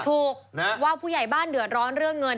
ถูกว่าผู้ใหญ่บ้านเดือดร้อนเรื่องเงิน